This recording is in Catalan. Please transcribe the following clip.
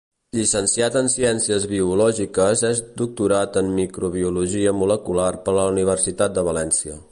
Llicenciat en Ciències Biològiques, és doctorat en microbiologia molecular per la Universitat de València.